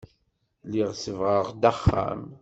Lliɣ sebbɣeɣ-d axxam.